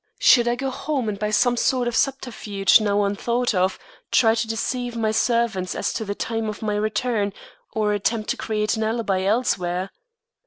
Should I go home and by some sort of subterfuge now unthought of, try to deceive my servants as to the time of my return, or attempt to create an alibi elsewhere?